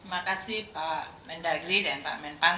terima kasih pak mendagri dan pak menpan